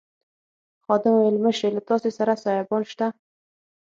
خادم وویل مشرې له تاسي سره سایبان شته.